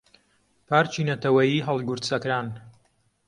پارکی نەتەوەییی هەڵگورد سەکران